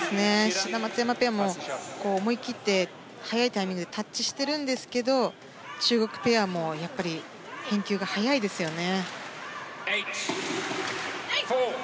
志田・松山ペアも思い切って早いタイミングでタッチしてるんですけど中国ペアも返球が早いですよね。